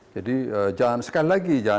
jadi sekali lagi jangan